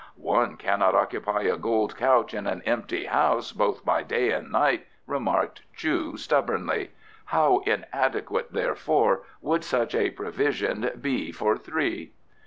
"One cannot occupy a gold couch in an empty house both by day and night," remarked Chu stubbornly. "How inadequate, therefore, would such a provision be for three."